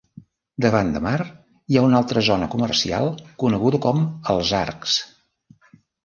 Davant de mar hi ha una altra zona comercial, coneguda com Els Arcs.